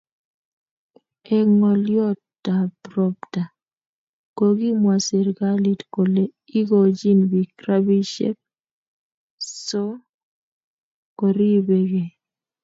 Eng ngolyot ab robta kokimwa serikalit kole igochin bik rabisiek so koribe ke